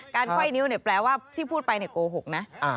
การค่อยนิ้วแปลว่าที่พูดไปโกหกนะ